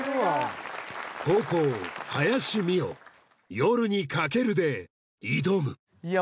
「夜に駆ける」で挑むいや